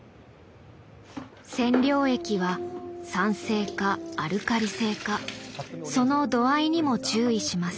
染料液は酸性かアルカリ性かその度合いにも注意します。